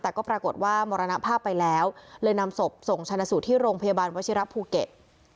แต่ก็ปรากฏว่ามรณภาพไปแล้วเลยนำศพส่งชนะสูตรที่โรงพยาบาลวชิระภูเก็ต